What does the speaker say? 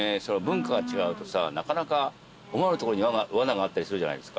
文化が違うとさなかなか思わぬところにわながあったりするじゃないですか。